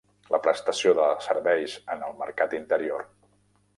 La prestació de serveis en el mercat interior.